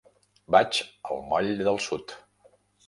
Vaig al moll del Sud.